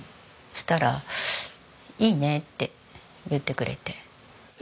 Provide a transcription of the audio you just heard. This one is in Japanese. そしたらいいねって言ってくれて。